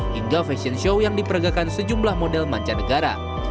hingga fashion show yang diperagakan sejumlah model manca negara